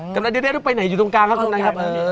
กำนานเดี๋ยวไปไหนอยู่ตรงกลางครับ